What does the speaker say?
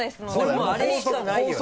もうあれしかないよね？